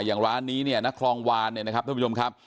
อย่างร้านนี้เนี่ยนักคลองวานเนี่ยนะครับท่านผู้ชมครับ